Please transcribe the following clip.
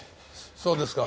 そうですか。